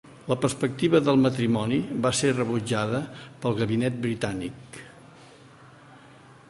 La perspectiva del matrimoni va ser rebutjada pel Gabinet britànic.